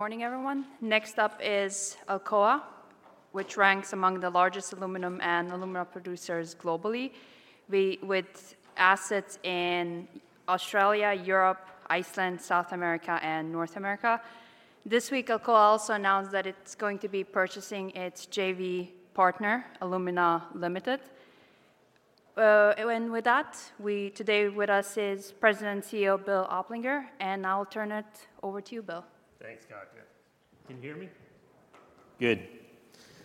Morning, everyone. Next up is Alcoa, which ranks among the largest aluminum and alumina producers globally, with assets in Australia, Europe, Iceland, South America, and North America. This week Alcoa also announced that it's going to be purchasing its JV partner, Alumina Limited. And with that, we today with us is President and CEO Bill Oplinger, and I'll turn it over to you, Bill. Thanks, Katja. Can you hear me? Good.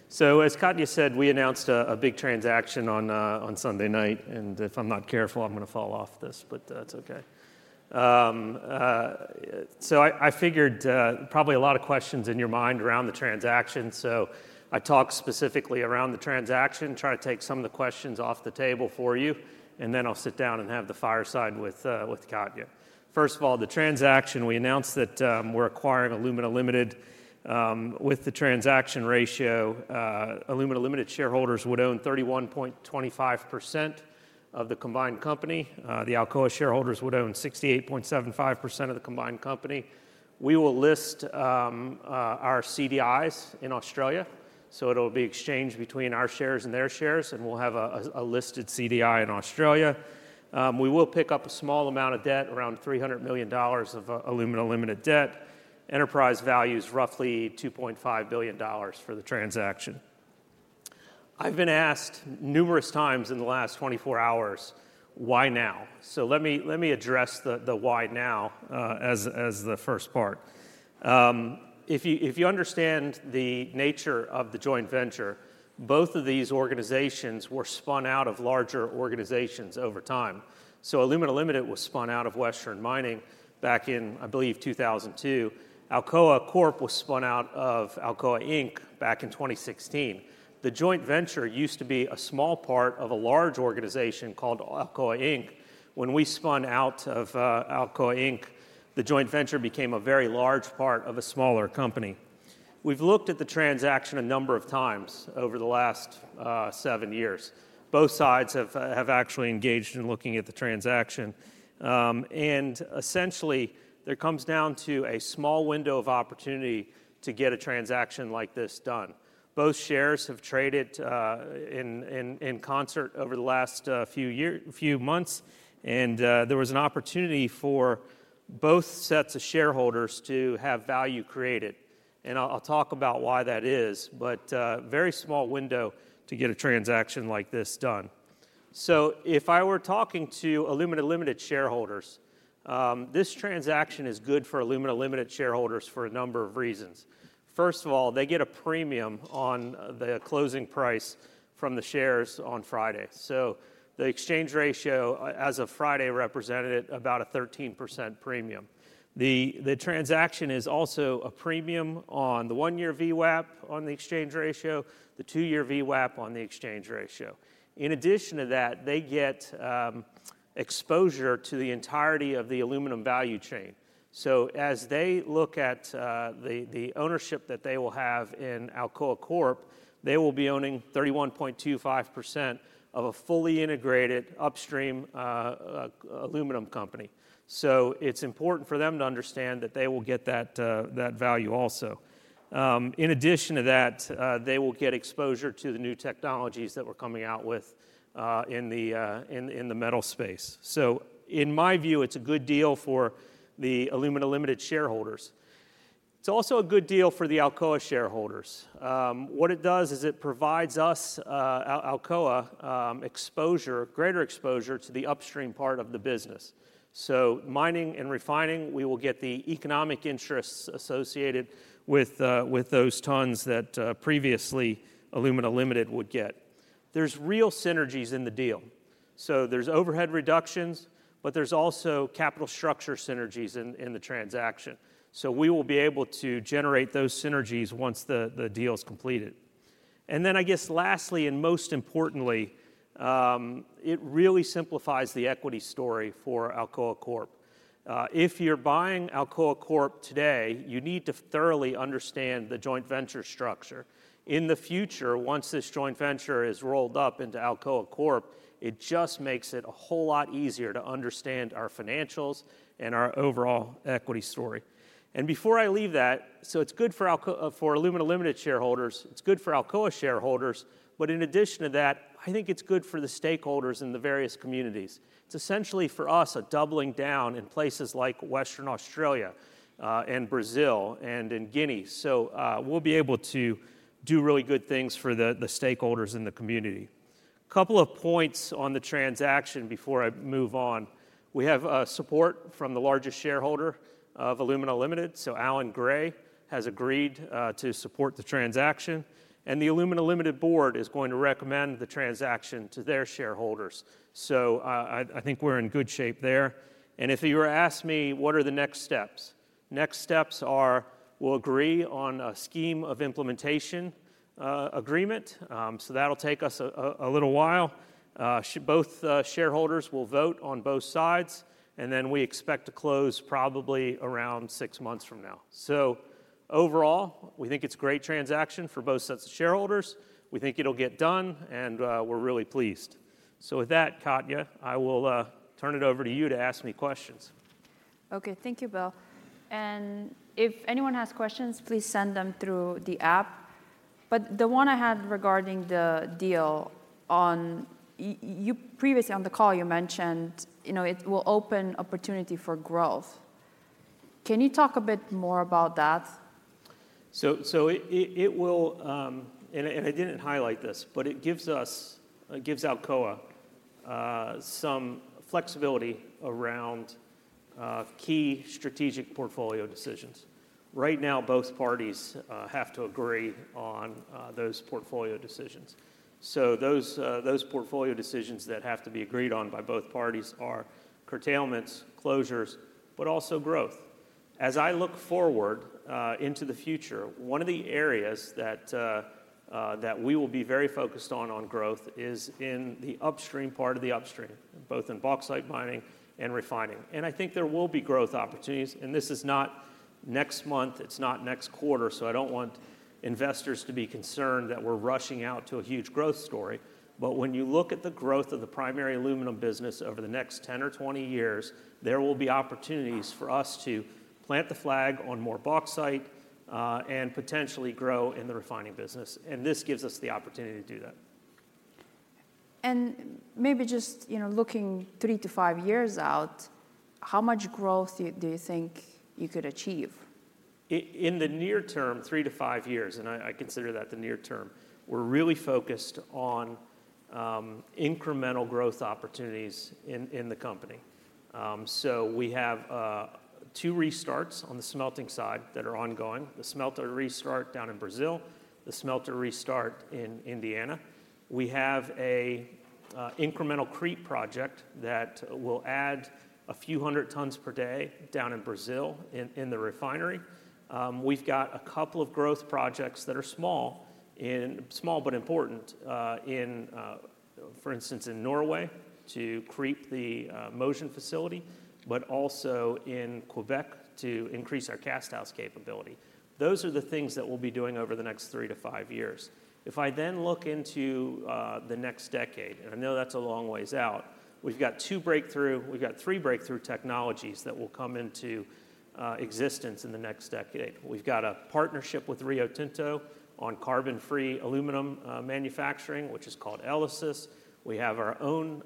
So as Katja said, we announced a big transaction on Sunday night, and if I'm not careful, I'm gonna fall off this, but it's okay. So I figured, probably a lot of questions in your mind around the transaction, so I talk specifically around the transaction, try to take some of the questions off the table for you, and then I'll sit down and have the fireside with Katja. First of all, the transaction, we announced that we're acquiring Alumina Limited. With the transaction ratio, Alumina Limited shareholders would own 31.25% of the combined company. The Alcoa shareholders would own 68.75% of the combined company. We will list our CDIs in Australia, so it'll be exchanged between our shares and their shares, and we'll have a listed CDI in Australia. We will pick up a small amount of debt, around $300 million of Alumina Limited debt. Enterprise value's roughly $2.5 billion for the transaction. I've been asked numerous times in the last 24 hours, "Why now?" So let me address the why now, as the first part. If you understand the nature of the joint venture, both of these organizations were spun out of larger organizations over time. So Alumina Limited was spun out of Western Mining back in, I believe, 2002. Alcoa Corp was spun out of Alcoa Inc. back in 2016. The joint venture used to be a small part of a large organization called Alcoa Inc. When we spun out of Alcoa Inc, the joint venture became a very large part of a smaller company. We've looked at the transaction a number of times over the last seven years. Both sides have actually engaged in looking at the transaction. Essentially there comes down to a small window of opportunity to get a transaction like this done. Both shares have traded in concert over the last few year, few months, and there was an opportunity for both sets of shareholders to have value created. And I'll talk about why that is, but very small window to get a transaction like this done. So if I were talking to Alumina Limited shareholders, this transaction is good for Alumina Limited shareholders for a number of reasons. First of all, they get a premium on the closing price from the shares on Friday. So the exchange ratio, as of Friday, represented about a 13% premium. The transaction is also a premium on the one-year VWAP on the exchange ratio, the two-year VWAP on the exchange ratio. In addition to that, they get exposure to the entirety of the aluminum value chain. So as they look at the ownership that they will have in Alcoa Corp, they will be owning 31.25% of a fully integrated upstream aluminum company. So it's important for them to understand that they will get that value also. In addition to that, they will get exposure to the new technologies that we're coming out with in the metal space. So in my view, it's a good deal for the Alumina Limited shareholders. It's also a good deal for the Alcoa shareholders. What it does is it provides us, Alcoa, greater exposure to the upstream part of the business. So mining and refining, we will get the economic interests associated with those tons that previously Alumina Limited would get. There's real synergies in the deal. So there's overhead reductions, but there's also capital structure synergies in the transaction. So we will be able to generate those synergies once the deal's completed. And then I guess lastly, and most importantly, it really simplifies the equity story for Alcoa Corp. If you're buying Alcoa Corp today, you need to thoroughly understand the joint venture structure. In the future, once this joint venture is rolled up into Alcoa Corp, it just makes it a whole lot easier to understand our financials and our overall equity story. And before I leave that, so it's good for Alcoa for Alumina Limited shareholders, it's good for Alcoa shareholders, but in addition to that, I think it's good for the stakeholders in the various communities. It's essentially for us a doubling down in places like Western Australia, and Brazil and in Guinea. So, we'll be able to do really good things for the stakeholders in the community. Couple of points on the transaction before I move on. We have support from the largest shareholder of Alumina Limited, so Allan Gray has agreed to support the transaction, and the Alumina Limited board is going to recommend the transaction to their shareholders. So, I think we're in good shape there. And if you were to ask me, "What are the next steps?" Next steps are, we'll agree on a scheme of implementation agreement, so that'll take us a little while. So both shareholders will vote on both sides, and then we expect to close probably around six months from now. So overall, we think it's a great transaction for both sets of shareholders. We think it'll get done, and we're really pleased. With that, Katja, I will turn it over to you to ask me questions. Okay. Thank you, Bill. If anyone has questions, please send them through the app. The one I had regarding the deal on you, you previously on the call you mentioned, you know, it will open opportunity for growth. Can you talk a bit more about that? So it will, and I didn't highlight this, but it gives Alcoa some flexibility around key strategic portfolio decisions. Right now both parties have to agree on those portfolio decisions. So those portfolio decisions that have to be agreed on by both parties are curtailments, closures, but also growth. As I look forward into the future, one of the areas that we will be very focused on growth is in the upstream part of the upstream, both in bauxite mining and refining. And I think there will be growth opportunities, and this is not next month, it's not next quarter, so I don't want investors to be concerned that we're rushing out to a huge growth story. When you look at the growth of the primary aluminum business over the next 10 or 20 years, there will be opportunities for us to plant the flag on more bauxite, and potentially grow in the refining business. This gives us the opportunity to do that. Maybe just, you know, looking three to five years out, how much growth do you think you could achieve? In the near term, three to five years, and I consider that the near term, we're really focused on incremental growth opportunities in the company. So we have two restarts on the smelting side that are ongoing. The smelter restart down in Brazil, the smelter restart in Indiana. We have an incremental creep project that will add a few hundred tons per day down in Brazil in the refinery. We've got a couple of growth projects that are small but small but important, for instance, in Norway to creep the Mosjøen facility, but also in Quebec to increase our casthouse capability. Those are the things that we'll be doing over the next three to five years. If I then look into the next decade, and I know that's a long ways out, we've got two breakthrough, we've got three breakthrough technologies that will come into existence in the next decade. We've got a partnership with Rio Tinto on carbon-free aluminum manufacturing, which is called ELYSIS. We have our own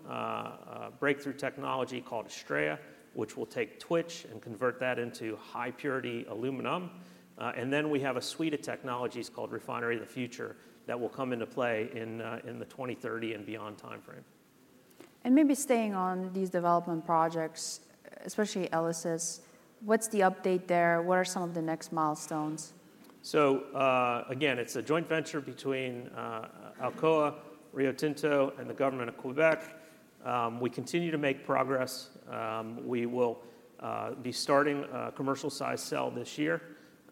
breakthrough technology called ASTRAEA, which will take Twitch and convert that into high-purity aluminum. And then we have a suite of technologies called Refinery of the Future that will come into play in the 2030 and beyond timeframe. Maybe staying on these development projects, especially ELYSIS, what's the update there? What are some of the next milestones? So, again, it's a joint venture between Alcoa, Rio Tinto, and the government of Quebec. We continue to make progress. We will be starting a commercial-size cell this year.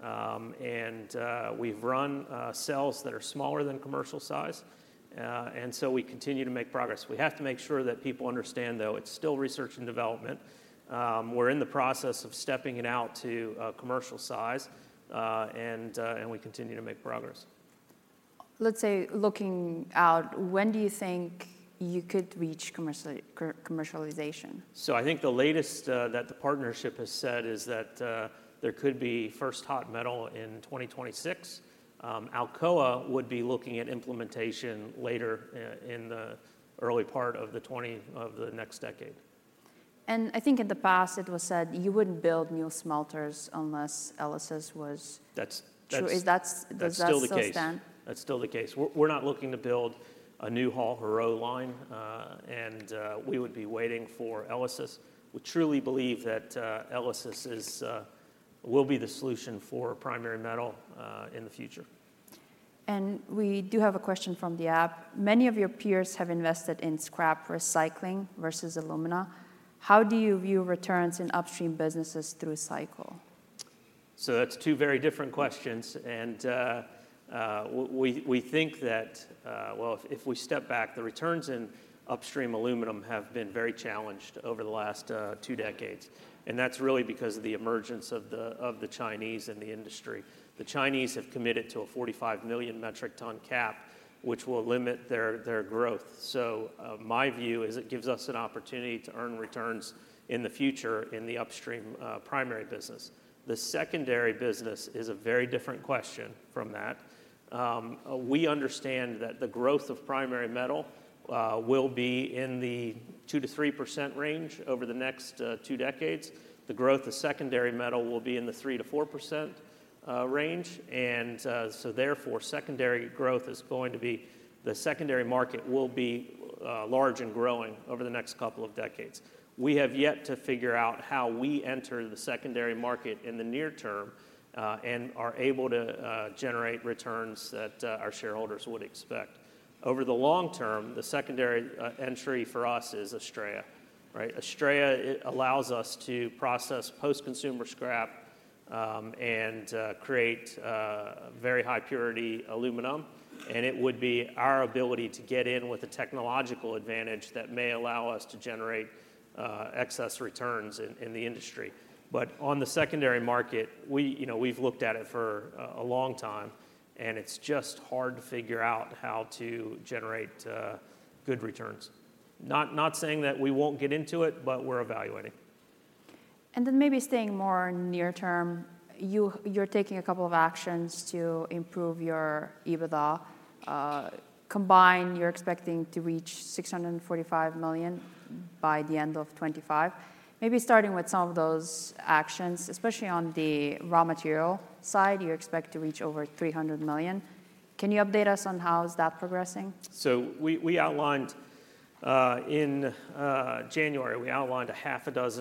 And we've run cells that are smaller than commercial size, and so we continue to make progress. We have to make sure that people understand, though, it's still research and development. We're in the process of stepping it out to commercial size, and we continue to make progress. Let's say looking out, when do you think you could reach commercialization? I think the latest that the partnership has said is that there could be first hot metal in 2026. Alcoa would be looking at implementation later, in the early part of the 20 of the next decade. And I think in the past it was said you wouldn't build new smelters unless ELYSIS was. That's, that's. Sure. Does that still stand? That's still the case. That's still the case. We're, we're not looking to build a new Hall-Héroult line, and, we would be waiting for ELYSIS. We truly believe that, ELYSIS is, will be the solution for primary metal, in the future. We do have a question from the app. Many of your peers have invested in scrap recycling versus alumina. How do you view returns in upstream businesses through cycle? So that's two very different questions, and we think that, well, if we step back, the returns in upstream aluminum have been very challenged over the last two decades. And that's really because of the emergence of the Chinese in the industry. The Chinese have committed to a 45 million metric ton cap, which will limit their growth. So, my view is it gives us an opportunity to earn returns in the future in the upstream, primary business. The secondary business is a very different question from that. We understand that the growth of primary metal will be in the 2%-3% range over the next two decades. The growth of secondary metal will be in the 3%-4% range, and so therefore secondary growth is going to be the secondary market will be large and growing over the next couple of decades. We have yet to figure out how we enter the secondary market in the near term and are able to generate returns that our shareholders would expect. Over the long term, the secondary entry for us is ASTRAEA, right? ASTRAEA it allows us to process post-consumer scrap and create very high-purity aluminum, and it would be our ability to get in with a technological advantage that may allow us to generate excess returns in the industry. But on the secondary market, you know, we've looked at it for a long time, and it's just hard to figure out how to generate good returns. Not saying that we won't get into it, but we're evaluating. Then maybe staying more near term, you're taking a couple of actions to improve your EBITDA. Combined, you're expecting to reach $645 million by the end of 2025. Maybe starting with some of those actions, especially on the raw material side, you expect to reach over $300 million. Can you update us on how is that progressing? So we outlined in January six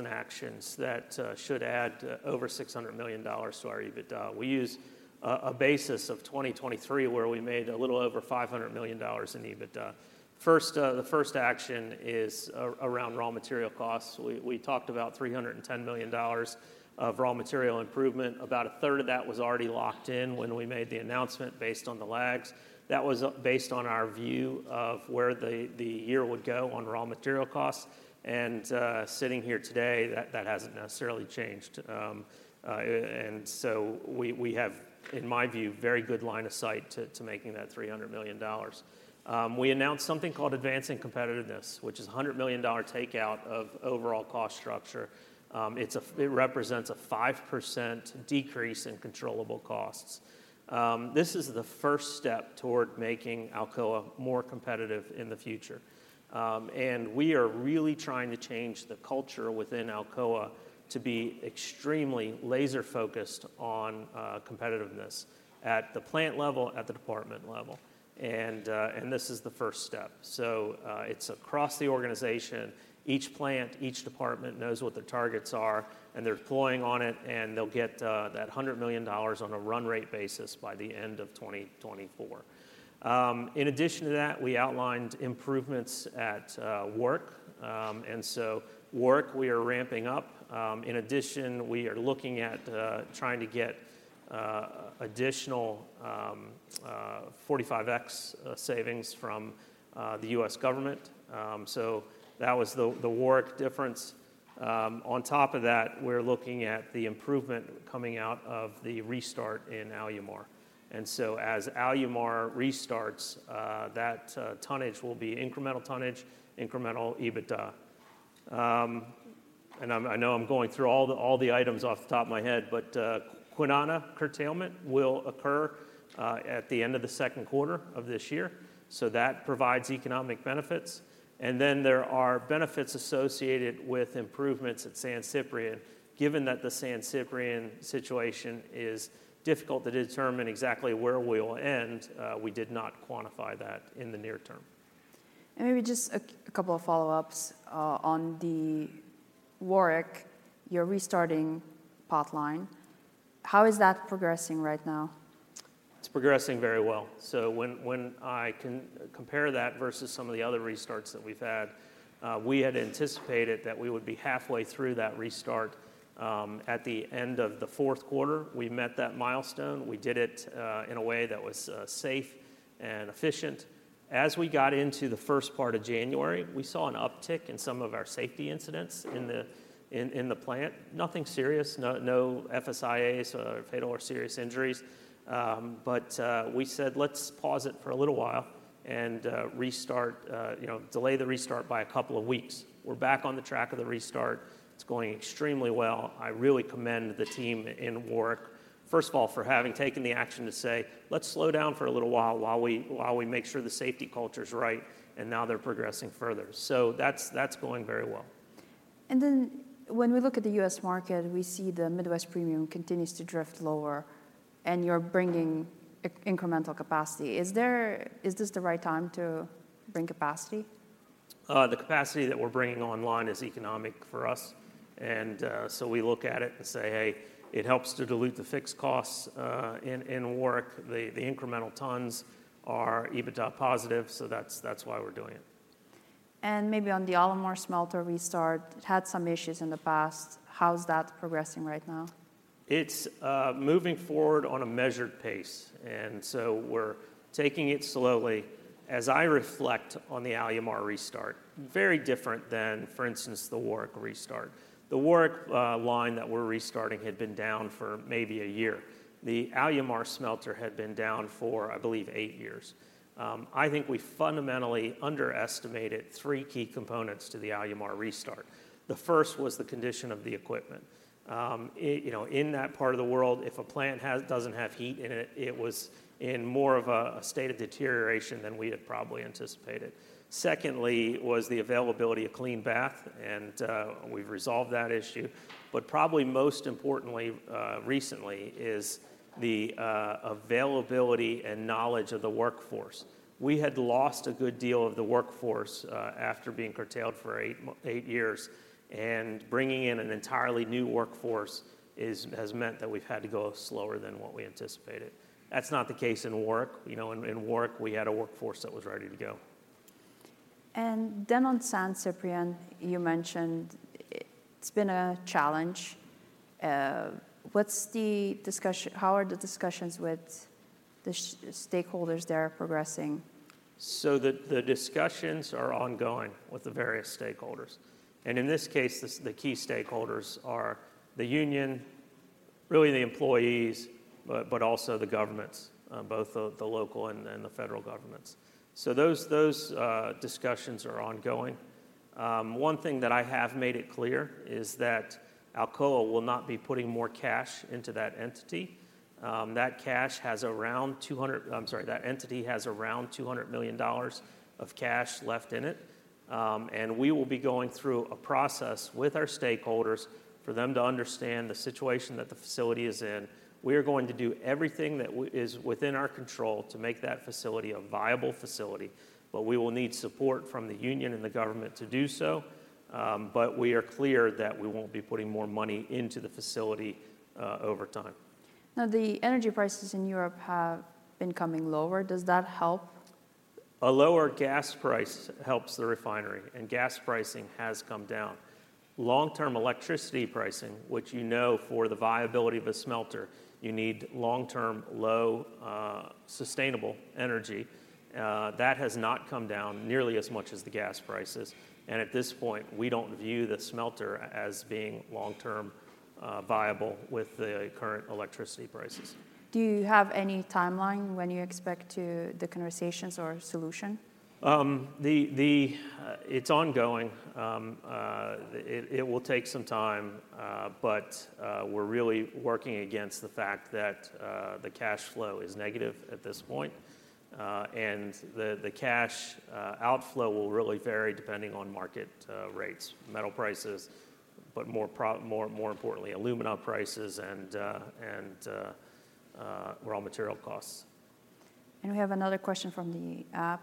actions that should add over $600 million to our EBITDA. We use a basis of 2023 where we made a little over $500 million in EBITDA. First, the first action is around raw material costs. We talked about $310 million of raw material improvement. About a third of that was already locked in when we made the announcement based on the lags. That was based on our view of where the year would go on raw material costs, and sitting here today, that hasn't necessarily changed. So we have, in my view, very good line of sight to making that $300 million. We announced something called Advancing Competitiveness, which is $100 million takeout of overall cost structure. It represents a 5% decrease in controllable costs. This is the first step toward making Alcoa more competitive in the future. And we are really trying to change the culture within Alcoa to be extremely laser-focused on competitiveness at the plant level, at the department level. And this is the first step. So, it's across the organization. Each plant, each department knows what their targets are, and they're deploying on it, and they'll get that $100 million on a run-rate basis by the end of 2024. In addition to that, we outlined improvements at Warrick. And so Warrick, we are ramping up. In addition, we are looking at trying to get additional 45X savings from the U.S. government. So that was the, the Warrick difference. On top of that, we're looking at the improvement coming out of the restart in Alumar. And so as Alumar restarts, that tonnage will be incremental tonnage, incremental EBITDA. I'm, I know I'm going through all the, all the items off the top of my head, but, Kwinana curtailment will occur, at the end of the second quarter of this year. So that provides economic benefits. And then there are benefits associated with improvements at San Ciprián. Given that the San Ciprián situation is difficult to determine exactly where we'll end, we did not quantify that in the near term. Maybe just a couple of follow-ups on the Warrick, your restarting potline. How is that progressing right now? It's progressing very well. So when I can compare that versus some of the other restarts that we've had, we had anticipated that we would be halfway through that restart, at the end of the fourth quarter. We met that milestone. We did it, in a way that was safe and efficient. As we got into the first part of January, we saw an uptick in some of our safety incidents in the plant. Nothing serious, no FSIAs or fatal or serious injuries. But we said, "Let's pause it for a little while and restart, you know, delay the restart by a couple of weeks." We're back on the track of the restart. It's going extremely well. I really commend the team in Warrick, first of all, for having taken the action to say, "Let's slow down for a little while while we make sure the safety culture's right," and now they're progressing further. So that's going very well. Then when we look at the U.S. market, we see the Midwest Premium continues to drift lower, and you're bringing incremental capacity. Is this the right time to bring capacity? The capacity that we're bringing online is economic for us, and so we look at it and say, "Hey, it helps to dilute the fixed costs in Warrick. The incremental tons are EBITDA positive, so that's why we're doing it. Maybe on the Alumar smelter restart, it had some issues in the past. How's that progressing right now? It's moving forward on a measured pace, and so we're taking it slowly. As I reflect on the Alumar restart, very different than, for instance, the Warrick restart. The Warrick line that we're restarting had been down for maybe a year. The Alumar smelter had been down for, I believe, eight years. I think we fundamentally underestimated three key components to the Alumar restart. The first was the condition of the equipment. It, you know, in that part of the world, if a plant doesn't have heat in it, it was in more of a state of deterioration than we had probably anticipated. Secondly was the availability of clean bath, and we've resolved that issue. But probably most importantly, recently, is the availability and knowledge of the workforce. We had lost a good deal of the workforce, after being curtailed for eight, eight years, and bringing in an entirely new workforce has meant that we've had to go slower than what we anticipated. That's not the case in Warrick. You know, in Warrick, we had a workforce that was ready to go. Then on San Ciprián, you mentioned it's been a challenge. What's the discussion? How are the discussions with the stakeholders there progressing? So the discussions are ongoing with the various stakeholders. And in this case, the key stakeholders are the union, really the employees, but also the governments, both the local and the federal governments. So those discussions are ongoing. One thing that I have made it clear is that Alcoa will not be putting more cash into that entity. That entity has around $200 million of cash left in it. And we will be going through a process with our stakeholders for them to understand the situation that the facility is in. We are going to do everything that is within our control to make that facility a viable facility, but we will need support from the union and the government to do so. but we are clear that we won't be putting more money into the facility, over time. Now, the energy prices in Europe have been coming lower. Does that help? A lower gas price helps the refinery, and gas pricing has come down. Long-term electricity pricing, which you know for the viability of a smelter, you need long-term, low, sustainable energy. That has not come down nearly as much as the gas prices, and at this point, we don't view the smelter as being long-term, viable with the current electricity prices. Do you have any timeline when you expect to the conversations or solution? It's ongoing. It will take some time, but we're really working against the fact that the cash flow is negative at this point, and the cash outflow will really vary depending on market rates, metal prices, but more importantly, alumina prices and raw material costs. We have another question from the app.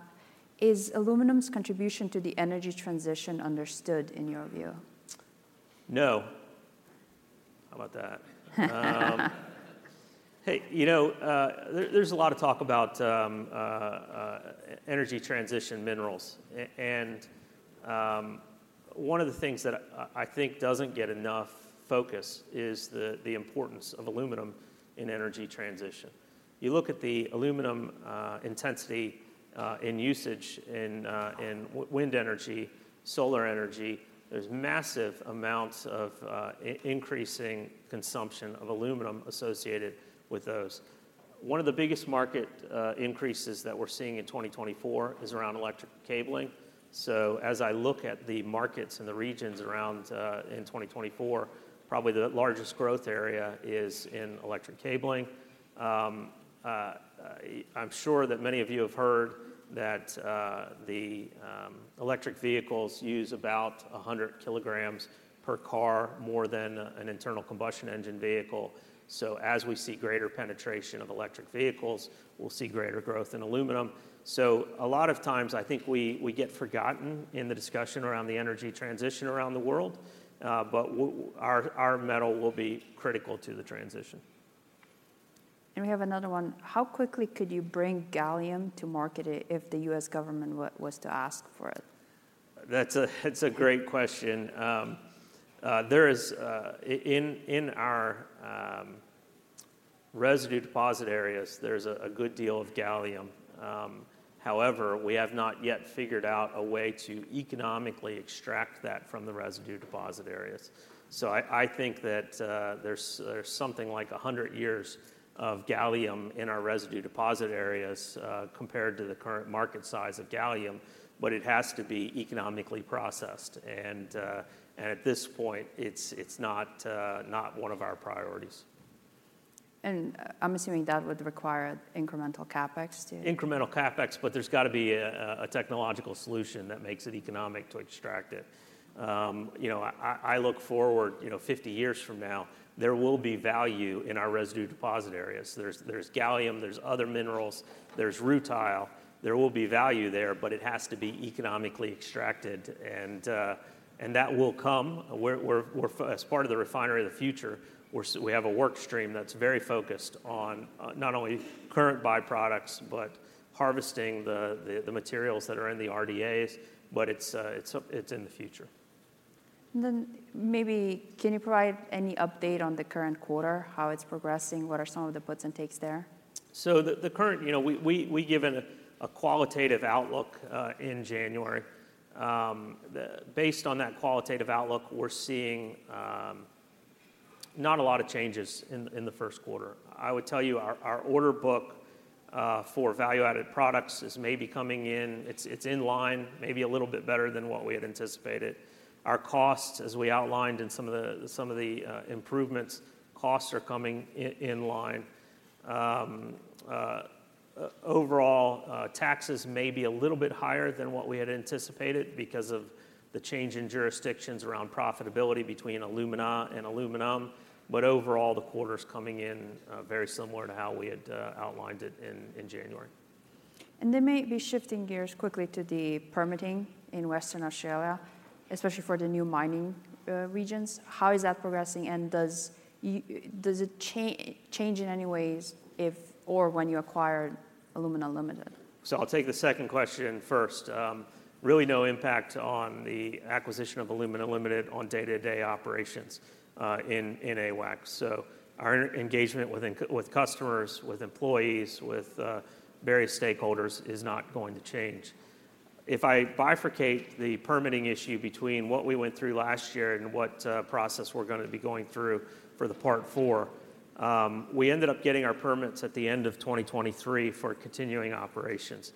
Is aluminum's contribution to the energy transition understood in your view? No. How about that? Hey, you know, there, there's a lot of talk about energy transition minerals, and one of the things that I think doesn't get enough focus is the importance of aluminum in energy transition. You look at the aluminum intensity in usage in wind energy, solar energy; there's massive amounts of increasing consumption of aluminum associated with those. One of the biggest market increases that we're seeing in 2024 is around electric cabling. So as I look at the markets and the regions around in 2024, probably the largest growth area is in electric cabling. I'm sure that many of you have heard that the electric vehicles use about 100 kgs per car more than an internal combustion engine vehicle. So as we see greater penetration of electric vehicles, we'll see greater growth in aluminum. A lot of times, I think we get forgotten in the discussion around the energy transition around the world, but our metal will be critical to the transition. We have another one. How quickly could you bring gallium to market if the U.S. government was to ask for it? That's a great question. There is, in our residue deposit areas, a good deal of gallium. However, we have not yet figured out a way to economically extract that from the residue deposit areas. So I think that there's something like 100 years of gallium in our residue deposit areas, compared to the current market size of gallium, but it has to be economically processed, and at this point, it's not one of our priorities. I'm assuming that would require incremental CapEx too? Incremental CapEx, but there's gotta be a technological solution that makes it economic to extract it. You know, I look forward, you know, 50 years from now, there will be value in our residue deposit areas. There's gallium. There's other minerals. There's rutile. There will be value there, but it has to be economically extracted, and that will come. We're as part of the Refinery of the Future, we have a workstream that's very focused on, not only current byproducts, but harvesting the materials that are in the RDAs, but it's in the future. And then, maybe can you provide any update on the current quarter, how it's progressing, what are some of the puts and takes there? So the current you know, we give a qualitative outlook in January. Based on that qualitative outlook, we're seeing not a lot of changes in the first quarter. I would tell you our order book for value-added products is maybe coming in. It's in line, maybe a little bit better than what we had anticipated. Our costs, as we outlined in some of the improvements, costs are coming in line. Overall, taxes may be a little bit higher than what we had anticipated because of the change in jurisdictions around profitability between alumina and aluminum, but overall, the quarter's coming in very similar to how we had outlined it in January. They may be shifting gears quickly to the permitting in Western Australia, especially for the new mining regions. How is that progressing, and does it change in any ways if or when you acquired Alumina Limited? So I'll take the second question first. Really no impact on the acquisition of Alumina Limited on day-to-day operations in AWAC. So our engagement with customers, with employees, with various stakeholders is not going to change. If I bifurcate the permitting issue between what we went through last year and what process we're gonna be going through for the Part IV, we ended up getting our permits at the end of 2023 for continuing operations.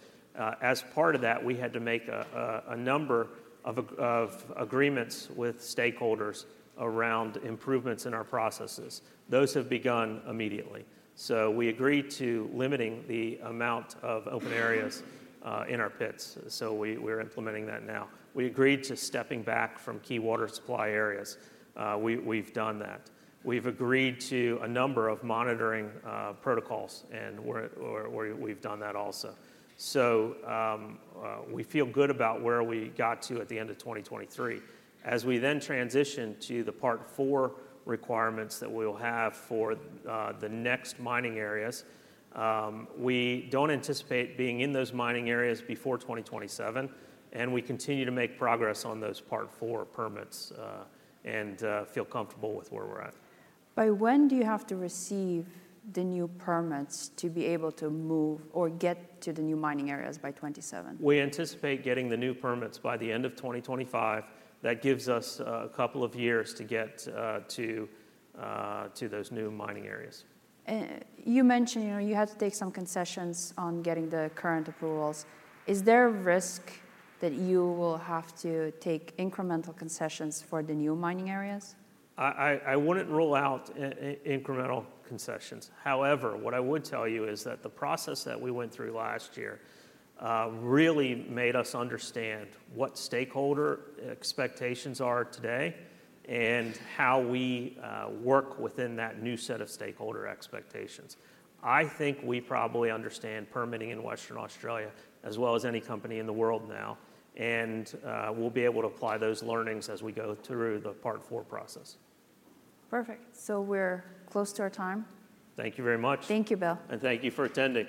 As part of that, we had to make a number of agreements with stakeholders around improvements in our processes. Those have begun immediately. So we agreed to limiting the amount of open areas in our pits, so we're implementing that now. We agreed to stepping back from key water supply areas. We've done that. We've agreed to a number of monitoring protocols, and we've done that also. So, we feel good about where we got to at the end of 2023. As we then transition to the Part IV requirements that we'll have for the next mining areas, we don't anticipate being in those mining areas before 2027, and we continue to make progress on those Part IV permits and feel comfortable with where we're at. By when do you have to receive the new permits to be able to move or get to the new mining areas by 2027? We anticipate getting the new permits by the end of 2025. That gives us a couple of years to get to those new mining areas. You mentioned, you know, you had to take some concessions on getting the current approvals. Is there a risk that you will have to take incremental concessions for the new mining areas? I wouldn't rule out incremental concessions. However, what I would tell you is that the process that we went through last year really made us understand what stakeholder expectations are today and how we work within that new set of stakeholder expectations. I think we probably understand permitting in Western Australia as well as any company in the world now, and we'll be able to apply those learnings as we go through the Part IV process. Perfect. So we're close to our time. Thank you very much. Thank you, Bill. Thank you for attending.